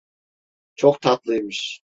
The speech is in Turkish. Çok tatlıymış.